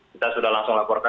kita sudah langsung laporkan